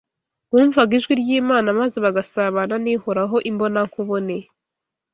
bumvaga ijwi ry’Imana, maze bagasabana n’Ihoraho imbona nkubone.